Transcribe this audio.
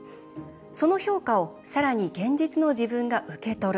その評価をさらに現実の自分が受け取る。